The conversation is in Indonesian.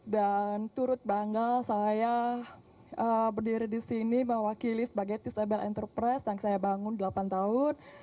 dan turut bangga saya berdiri di sini mewakili sebagai disable enterprise yang saya bangun delapan tahun